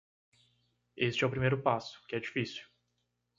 Este é o primeiro passo, que é difícil.